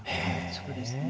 そうですね。